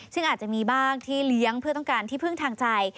ซึ่งอาจจะมีบ้างที่เลี้ยงเพื่อต้องการที่พึ่งทางใจ